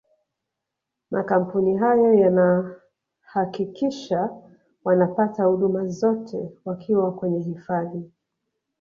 makampuni hayo yanahakikisha wanapata huduma zote wakiwa kwenye hifadhi